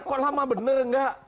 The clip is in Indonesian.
kok lama bener gak